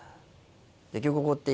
結局こうやって。